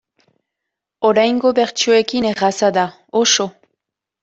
Oraingo bertsioekin erraza da, oso.